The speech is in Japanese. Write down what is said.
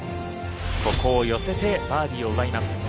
ここを寄せてバーディーを奪います。